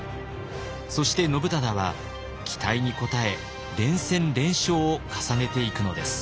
そして信忠は期待に応え連戦連勝を重ねていくのです。